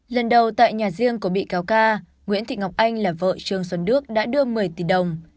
lần đầu tại nhà riêng của bị cáo ca nguyễn thị ngọc anh là vợ trương xuân đức đã đưa một mươi tỷ đồng